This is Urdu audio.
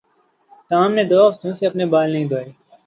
ٹام نے دو ہفتوں سے اپنے بال نہیں دھوئے